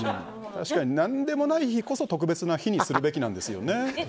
確かに何でもない日こそ特別な日にするべきなんですよね。